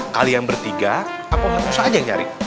kalian bertiga apa ustaz aja yang nyari